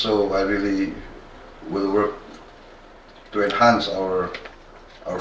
kedua duanya berharap bisa melanjutkan kerjasama antar kedua negara